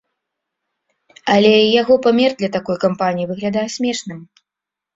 Але яго памер для такой кампаніі выглядае смешным.